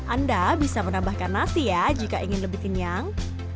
anda bisa menambahkan nasi ya jika ingin lebih kenyang